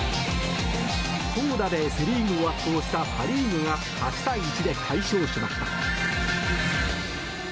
投打でセ・リーグを圧倒したパ・リーグが８対１で快勝しました。